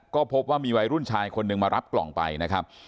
ก็พบว่ามีวัยรุ่นชายคนหนึ่งมารับกล่องไปนะครับ